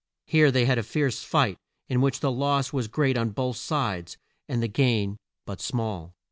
Here they had a fierce fight, in which the loss was great on both sides, and the gain but small.